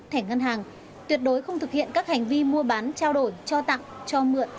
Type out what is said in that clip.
thẻ ngân hàng tuyệt đối không thực hiện các hành vi mua bán trao đổi cho tặng cho mượn